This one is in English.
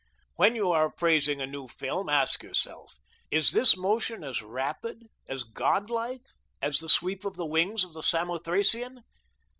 When you are appraising a new film, ask yourself: "Is this motion as rapid, as godlike, as the sweep of the wings of the Samothracian?"